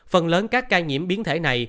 phần lớn các ca nhiễm sars cov hai